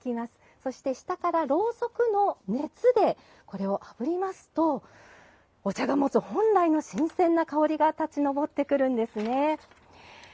そして、下から、ろうそくの熱でこれをあぶりますとお茶が持つ本来の新鮮な香りが立ち上ってくるんですね。